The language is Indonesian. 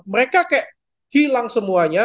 mereka kayak hilang semuanya